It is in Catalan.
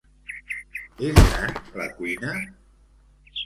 És gran la cuina?